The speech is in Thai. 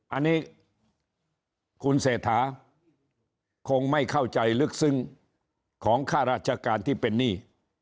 อันนี้คุณเศรษฐาคงไม่เข้าใจลึกซึ้งของค่าราชการที่เป็นหนี้